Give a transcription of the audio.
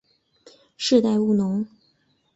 世代务农。